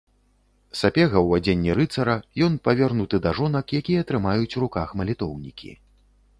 Сапега ў адзенні рыцара, ён павернуты да жонак, якія трымаюць у руках малітоўнікі.